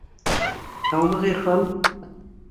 Һаумы, Ғирфан!